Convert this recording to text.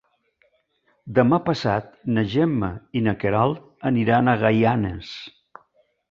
Demà passat na Gemma i na Queralt aniran a Gaianes.